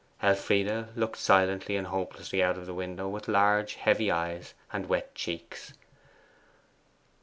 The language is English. Elfride looked silently and hopelessly out of the window with large heavy eyes and wet cheeks.